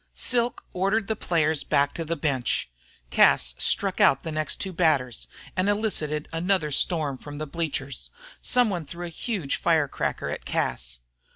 Silk ordered the players back to the bench. Cas struck out the next two batters, and elicited another storm from the bleachers. Some one threw a huge fire cracker at Cas.